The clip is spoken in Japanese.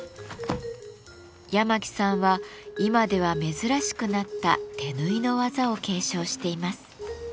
八巻さんは今では珍しくなった手縫いの技を継承しています。